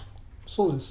そうです。